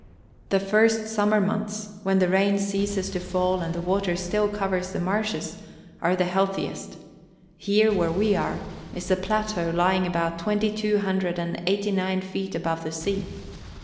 The first summer months, when the rain ceases to fall and the water still covers the marshes, are the healthiest. Here, where we are, is a plateau lying about twenty two hundred and eighty nine feet above the sea.